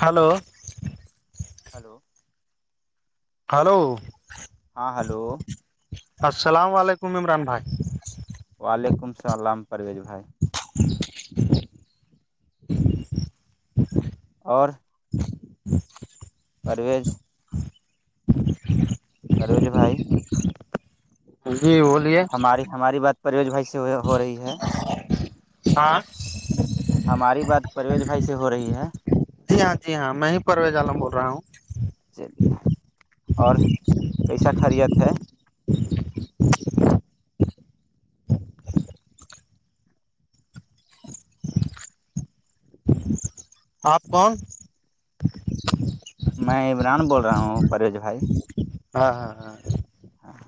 hello hello hello ہاں hello السلام علیکم عمران بھائی وعلیکم السلام پرویز بھائی اور پرویز پروج بھائی جی بولیے ہماری ہماری بات پروز بھائی سے ہو رہی ہے ہاں ہماری بات پرویز بھائی سے ہو رہی ہے جی ہاں جی ہاں میں ہی پرویز عالم بول رہا ہوں چلیے اور کیسا خریت ہے آپ کون میں عبران بول رہا ہوں پرریو بھائی ہاں ہاں ہاں ہاں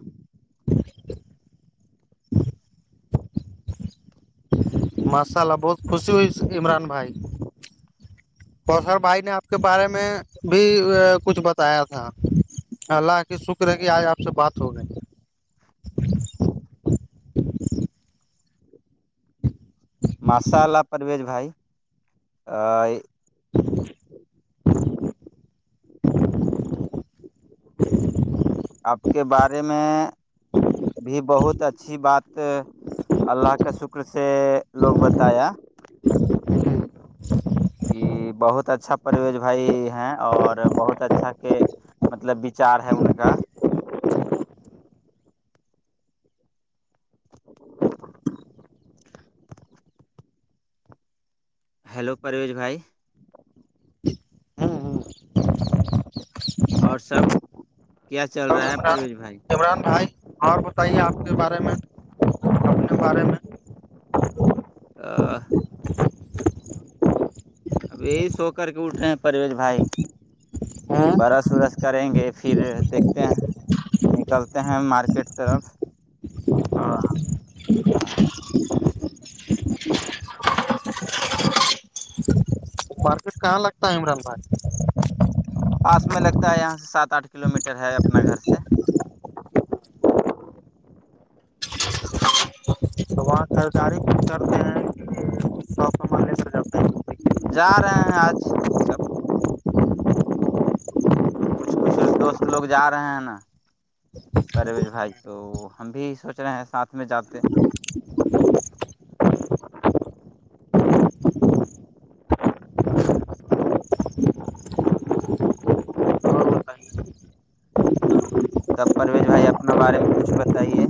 ماشاء اللہ بہت خوشی ہوئی عمران بھائی اور سر بھائی نے آپ کے بارے میں بھی کچھ بتایا تھا اللہ کی شکر ہے کہ آج آپ سے بات ہو گئی ماشاءلہ پرویز بھائی [inaudible] آپ کے بارے میں بھی بہت اچھی بات اللہ کا شکر سے لوگ بتایا کہ بہت اچھا پرویش بھائی ہیں اور بہت اچھا کے مطلب بچار ہے ان کا ہیلو پرویش بھائی اور سب کیا چل اور رہا ہے عمران پرویز بھائی عمران بھائی اور ہاں بتائیے آپ کے بارے میں اپنے بارے میں آ [unintelligible] اب یہی سو کر کے اٹھ رہے ہیں پرویز بھائی ہاں برس ورس کریں گے پھر دیکھتے ہیں نکلتے ہیں مارکیٹ طرف ہاں [inaudible] ھر کہاں لگتا ہے عمران خان پاس میں لگتا ہے یہاں سے سات آٹھ کلو میٹر ہے اپنا گھر سے وہاں سرکاری دفٹر ہیں سو کمانے س جاتے ہیں جا رہے ہیں آج سب کچھ کچھ دوست لوگ جا رہے ہیں نا پرویش بھائی او ہم بھی سوچ رہے ہیں ساتھ میں جاتے اور بتائیے تب پرویز بھائی اپنا بارے میں کچھ بتائیے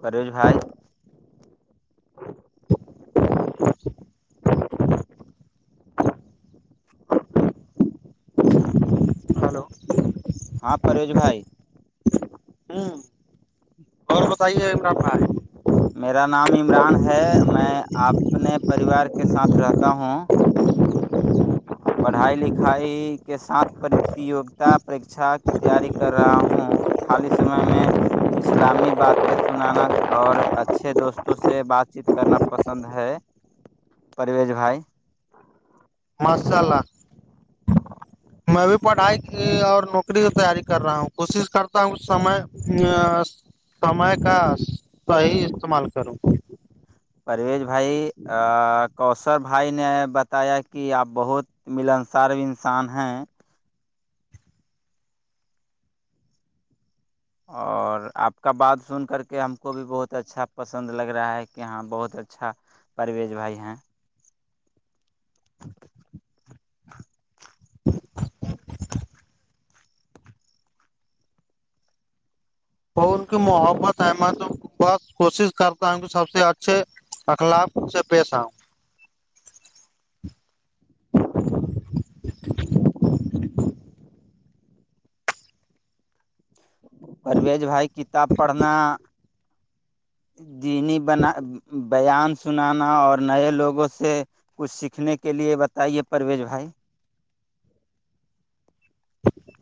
پرویز بھائی ہلو ہاں پرویز بھائی ہاں [unintelligible] [unintelligible] اور بتائیے عمران بھائی میرا نام عمران ہے میں اپنے پریوار کے ساتھ رہتا ہوں پڑھائی لکھائی کے ساتھ پرتیوگتا پریکچھا کی تیاری کر رہا ہوں خالی سمے میں اسلامی باتیں سنانا اور اچھے دوستوں سے بات چیت کرنا پسند ہے پرویز بھائی ماشاءاللہ میں بھی پڑھائی کی اور نوکری کی تیاری کر رہا ہوں کوشش کرتا ہوں سمے یہ سمے کا صحیح استعمال کروں پرویز بھائی کوثر بھائی نے بتایا کہ آپ بہت ملنسار انسان ہیں اور آپ کا بات سن کر کے ہم کو بھی بہت اچھا پسند لگ رہا ہے کہ ہاں بہت اچھا پرویز بھائی ہیں [inaudible] [inaudible] تو ان کی محبت ہے میں تو بہت کوشش کرتا ہوں کہ سب سے اچھے اخلاق سے پیش آؤں پرویج بھائی کتاب پڑھنا دینی بنا بیان سنانا اور نئے لوگوں سے کچھ سیکھنے کے لیے بتائیے پرویز بھائی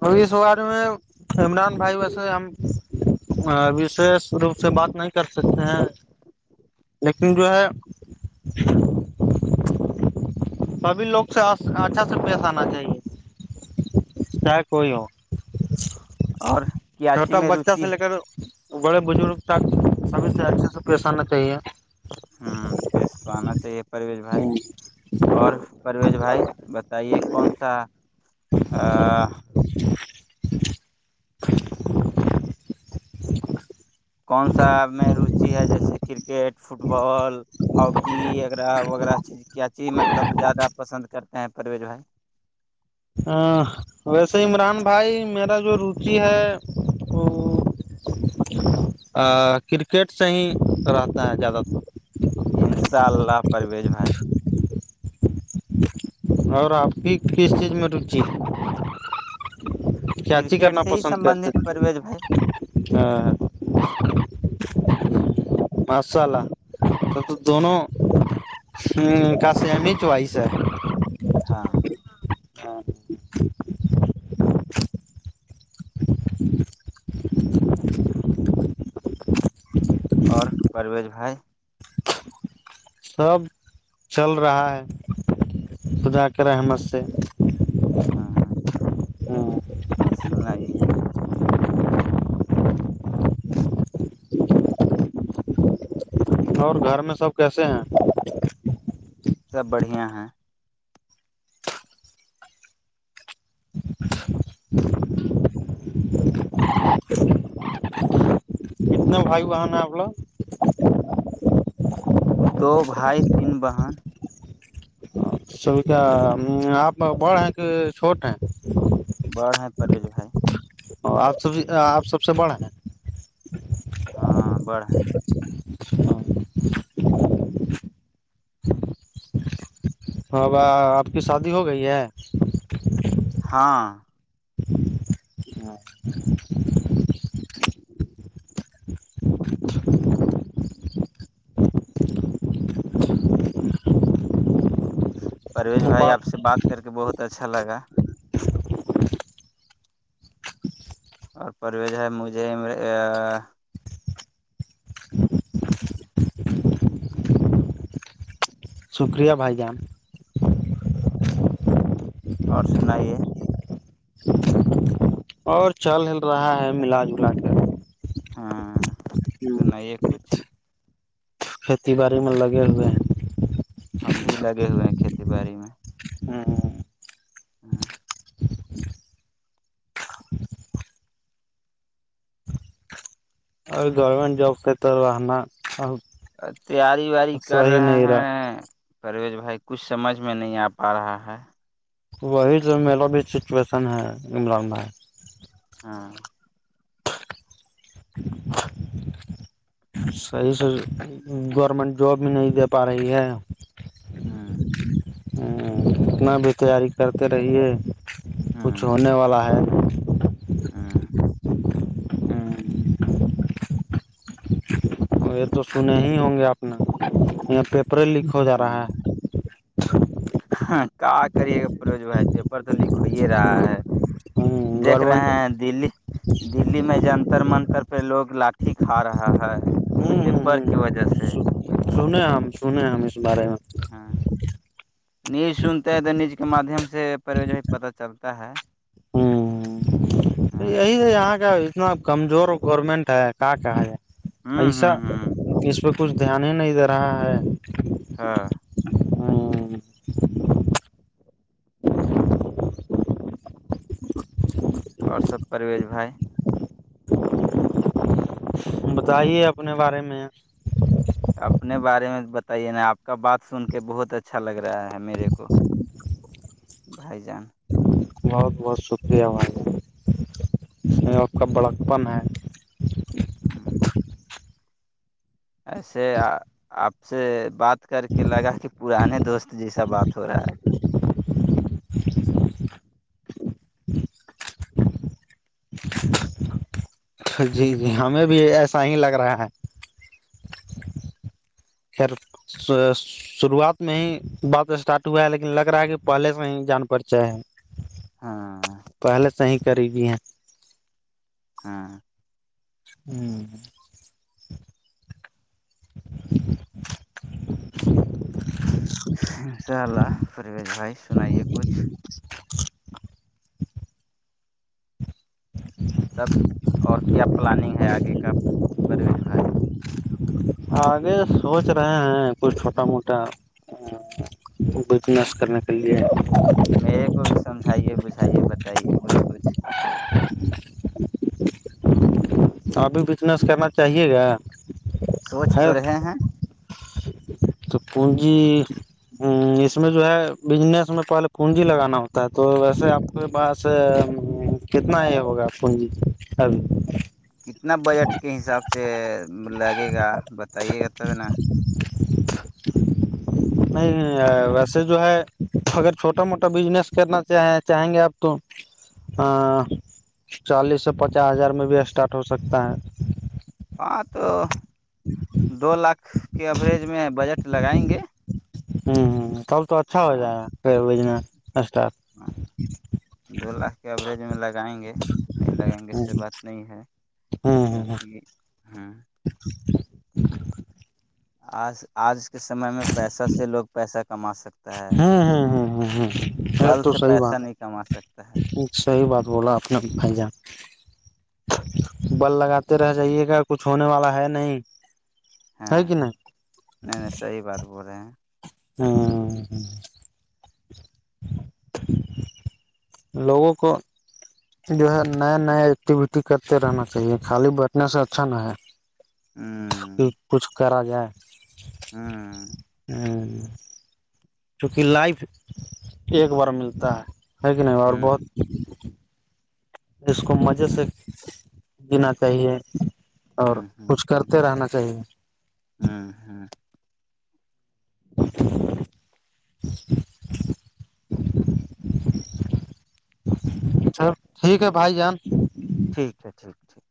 ا سواری میں عمران بھائی ویسے ہم وشیش روپ سے بات نہیں کر سکتے ہیں لیکن جو ہے [inaudible] سبھی لوگ سے اچھا سے پیش آنا چاہیے چاہے کوئی ہو اور کیاچی چھوٹا میں بچہ روچی سے لے کر بڑے بزرگ تک سبھی سے اچھے سے پیش آنا چاہیے ہوں پیس تو آنا چاہیے پرویش بھائی اور پرویج بھائی بتائیے کون سا خ [inaudible] کون سا میں روچی ہے جیسے کرکٹ فٹ بال ہاکی اغیرہ وغیرہ چیز کیا چیز مطلب زیادہ پسند کرتے ہیں پرویز بھائی ہاں ویسے عمران بھائی میرا جو روچی ہے وہ [inaudible] [inaudible] کرکٹ سے ہی رہتا ہے زیادہ تر ان ساء اللہ پرویز بھائی اور آپ کی کس چیز میں روچی چچی کرکٹ کرنا سے ہی پسند کرتے سبندھت پرویز بھائی ہیں ہ [inaudible] ماشاء اللہ تو تو دونوں ہ کاسے ایمی ہی چوائس ہے [inaudible] ہاں اور پرویز بھائی سب چل رہا ہے خدا کی رحمت سے ہاں ہاں اور سنائے اور گھر میں سب کیسے ہیں سب بڑھیا ہیں [inaudible] کتنا بھائیو بناا آپ لوگ دو بھائی تین بہن سبھی کیا آپ بڑ ہیں کہ چھوٹ ہیں بڑ ہیں پریش بھائی ا آپ سب آپ سب سے بڑا ہے ہاں بڑھ ہے ہاںاب آپ کی شادی ہو گئی ہے ہاں ہاں [inaudible] پرویز بھائی با آپ سے بات کر کے بہت اچھا لگا اور پرویز ہے مجھے شکریہ بھائی جان اور سنائیے اور چلل رہا ہے ملاج جلا کر ہاں تو نہیں یہ کچھ کھیتی باڑی میں لگے ہوئے ہم بھی لگے ہوئے ہیں کھیتی باڑی میں ہاں ہاں اور گورنمنٹ جاب کا طر وہناا تیاری ویاری کر رہے رہا ہیں پرویز بھائی کچھ سمجھ میں نہیں آ پا رہا ہے وہی جو میرا بھی سچویشن ہے عمران میں ہاں [inaudible] صحیح س گورنمنٹ جاب بھی نہیں دے پا رہی ہے ہوں اتنا بھی تیاری کرتے رہیے کچھ ہونے والا ہے نہیں ہاں یہ تو سنے ہی ہوں گے اپپ نے یہ پیپر لیک ہو جا رہا ہے [unintelligible] ہاں کا کریے گا پروج بھائی پیپر تو لیک ہو ہی رہا ہے ہ دیکھ گورنمنٹ رہے ہیں دلی دلی میں جنتر منتر پہ لوگ لاک ٹھیک آ رہا ہے ہ پیپر کی وجہ سے سنے ہم سنے ہم اس بارے میں ہاں نیوز سنتے ہیں تو نیوز کے مادھیم سے پروج پتا چلتا ہے ہ ہ ہاں یہی یہاں کا اتنا کمزور گورنمنٹ ہے کا کہ ہے ہوں ایسا ہوں ہوں اس پہ کچھ دھیان ہی نہیں دے رہا ہے ہاں ہ اور سب پرویز بھائی بتائیے اپنے بارے میں اپنے بارے میں بتائیے نا آپ کا بات سن کے بہت اچھا لگ رہا ہے میرے کو بھائی جان بہت بہت شکریہ بھائی آپ کا بڑا پن ہے ہاں [inaudible] ایسے آپ سے بات کر کے لگا کہ پرانے دوست جیسا بات ہو رہا ہے [inaudible] جی جی ہمیں بھی ایسا ہی لگ رہا ہے [inaudible] خیر شروعات میں ہی بات اسٹارٹ ہوا ہے لیکن لگ رہا ہے کہ پہلے سے ہی جان پرچے ہے ہاں پہلے سے ہی کری گی ہیں ہاں ہوں انشاء اللہ پرویز بھائی سنائیے کچھ تب اور کیا پلاننگ ہے آگے کا پرویز بھائی آگے سوچ رہے ہیں کچھ چھوٹا موٹا بجنس کرنے کے لیے میرے کو بھی سمجھائیے بجھائیے بتائیے کچھ کچھ اپ بھی بجنس کرنا چاہیے گا سوچ ہے تو رہے ہیں تو پنجی اس میں جو ہے بجنس میں پہلے پنجی لگانا ہوتا ہے تو ویسے آپ آپ کے پاس کتنا یہ ہوگا پونجی ابھی اتنا بجٹ کے حساب سے لگے گا بتائیے گا تب نا نہیں ویسے جو ہے اگر چھوٹا موٹا بزنس کرنا چاہیں چاہیں گے آپ تو چالیس سے پچاس ہزار میں بھی اسٹارٹ ہو سکتا ہے ہاں تو دو لاکھ کے ایوریج میں بجٹ لگائیں گے تب تو اچھا ہو ہاں جائے گا بزنس اسٹاٹ ہاں دو لاکھ کے ایوریج میں لگائیں گے نہیں لگائیں گے اس سے بات نہیں ہے ہاں ہاں ہاں کیونکہ ہاں اچ [inaudible] آج آج کے سمے میں پیسہ سے لوگ پیسہ کما سکتے ہوں ہ ہ ہ ہ یہ بل تو سے سحی پیسہ بات ہے نہیں کما سکتا ہے صحیح بات بولا اپنا بھائی جان بل لگاتے رہ جائیے گا کچھ ہونے والا ہے نہیں ہے ہاں کہ نہیں نہیں نہیں صحیح بات بول رہے ہیں ہاں لوگوں کو جو ہے نئے نئے ایکٹیویٹی کرتے رہنا چاہیے خالی بیٹھنے سے اچھا نہ ہے ہوں کچھ کرا جائے ہاں ہاں [inaudible] چونکہ لائف ایک بار ملتا ہے ہے کہ نہیں اور بہت ہوں اس کو مزے ہ سے گینا چاہیے اور ہ کچھ کرتے رہنا چاہیے ہاں ہاں [unintelligible] چل ٹھیک ہے بھائی جان ٹھیک ہے ٹھیک ٹھیک